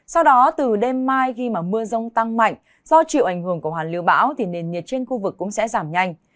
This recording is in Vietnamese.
sau đó từ đêm mai khi mà mưa rông tăng mạnh do chịu ảnh hưởng của hoàn lưu bão thì nền nhiệt trên khu vực cũng sẽ giảm nhanh